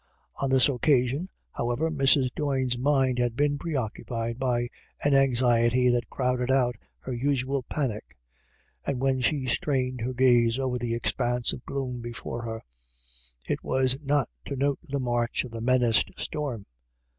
On this occasion, however, Mrs. Doyne's mind had been preoccupied by an anxiety that crowded out her usual panic, and when she strained her gaze over the expanse of gloom before her, it was not to note the march of the menaced storm.